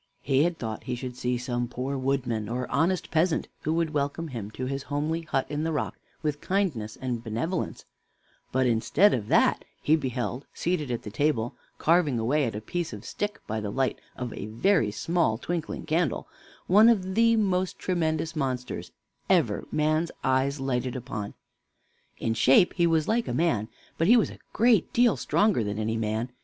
He had thought he should see some poor woodman or honest peasant, who would welcome him to his homely hut in the rock with kindness and benevolence; but instead of that he beheld, seated at the table, carving away at a piece of stick by the light of a very small twinkling candle, one of the most tremendous monsters ever man's eyes lighted upon. In shape he was like a man, but he was a great deal stronger than any man.